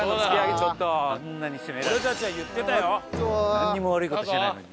なんにも悪い事してないのに。